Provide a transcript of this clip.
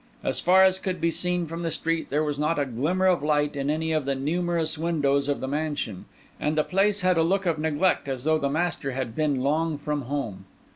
As far as could be seen from the street, there was not a glimmer of light in any of the numerous windows of the mansion; and the place had a look of neglect, as though the master had been long from home.